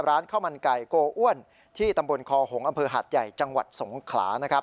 ร้านข้าวมันไก่โกอ้วนที่ตำบลคอหงษ์อำเภอหาดใหญ่จังหวัดสงขลานะครับ